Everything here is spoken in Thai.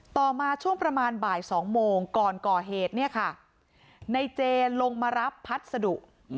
ต่อมาช่วงประมาณบ่าย๒โมงก่อนก่อเหตุเนี่ยค่ะในเจนลงมารับพัสดุ